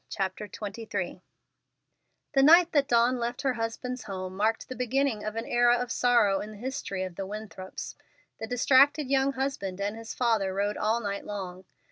CHAPTER XXIII The night that Dawn left her husband's home marked the beginning of an era of sorrow in the history of the Winthrops. The distracted young husband and his father rode all night long.